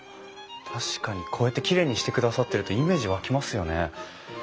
確かにこうやってきれいにしてくださってるとイメージ湧きますよね。